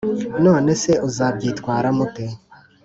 None se uzabyitwaramo ute